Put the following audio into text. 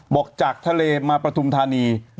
บอกจากทะเลมาปฐุมธานี